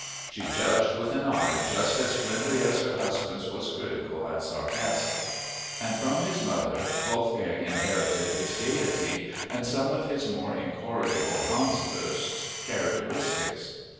"She judged with an eye just as friendly as her husband's was critical and sarcastic." And from his mother Wolfgang inherited his gayety and some of his more incorrigible Hanswurst characteristics.